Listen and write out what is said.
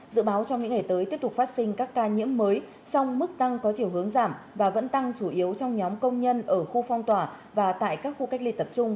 dự báo trong những ngày tới tiếp tục phát sinh các ca nhiễm mới song mức tăng có chiều hướng giảm và vẫn tăng chủ yếu trong nhóm công nhân ở khu phong tỏa và tại các khu cách ly tập trung